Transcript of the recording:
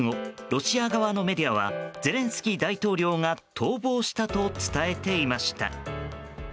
ロシア側のメディアはゼレンスキー大統領が逃亡したと伝えていました。